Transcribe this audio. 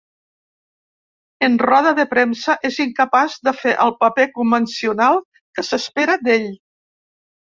En roda de premsa, és incapaç de fer el paper convencional que s'espera d'ell.